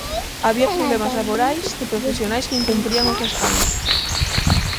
Había problemas laborais de profesionais que incumprían os descansos.